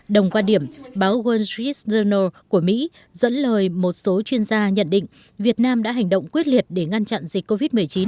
đồng quan điểm báo wall street journal của mỹ dẫn lời một số chuyên gia nhận định việt nam đã hành động quyết liệt để ngăn chặn dịch covid một mươi chín